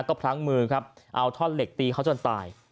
ก็พลั้งมือครับเอาท่อนเหล็กตีเขาจนตาย